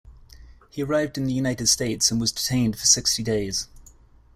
He arrived in the United States and was detained for sixty days.